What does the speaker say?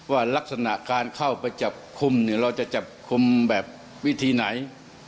ว่าลักษณะการเข้าไปจับคุมเนี่ยเราจะจับคุมแบบวิธีไหน